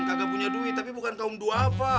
kagak punya duit tapi bukan kaum duafa